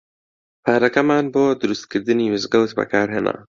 پارەکەمان بۆ دروستکردنی مزگەوت بەکار هێنا.